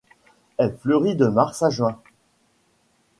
Elle fleurit de mars à juin.